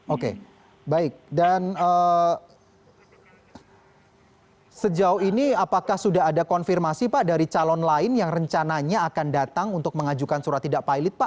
oke baik dan sejauh ini apakah sudah ada konfirmasi pak dari calon lain yang rencananya akan datang untuk mengajukan surat tidak pilot pak